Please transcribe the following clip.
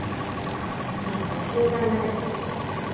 何か教えがいないし。